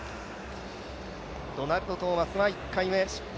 ドナルド・トーマスは１回目失敗。